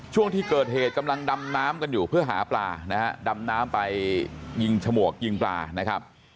ช่วงที่เกิดเหตุกำลังดำน้ำกันอยู่เพื่อหาปลานะฮะดำน้ำไปยิงฉมวกยิงปลานะครับ